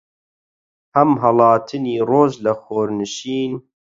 هەم هەڵاتنی ڕۆژ لە خۆرنشین